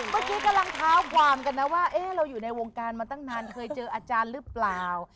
เมื่อกี้กำลังเท้าความกันนะว่าเราอยู่ในวงการมาตั้งนานเคยเจออาจารย์หรือเปล่า